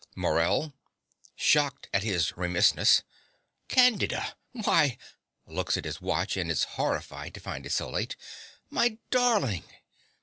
MORELL (shocked at his remissness). Candida! Why (looks at his watch, and is horrified to find it so late.) My darling!